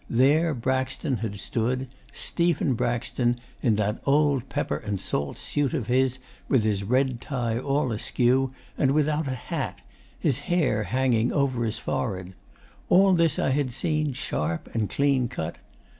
There Braxton had stood Stephen Braxton, in that old pepper and salt suit of his, with his red tie all askew, and without a hat his hair hanging over his forehead. All this I had seen sharp and clean cut.